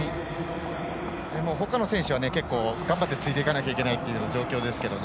ほかの選手は結構頑張ってついていかなければいけない状況ですけどね。